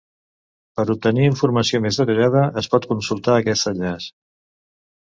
Per obtenir informació més detallada, es pot consultar aquest enllaç.